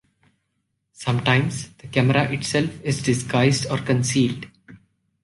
Sometimes the camera itself is disguised or concealed.